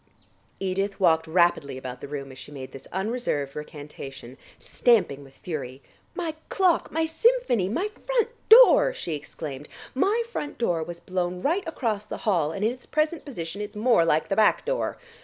Edith walked rapidly about the room as she made this unreserved recantation, stamping with fury. "My clock! My symphony! My front door!" she exclaimed. "My front door was blown right across the hall, and in its present position it's more like the back door.